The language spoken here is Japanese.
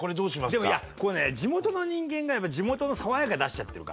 でもいやこれね地元の人間が地元のさわやか出しちゃってるから。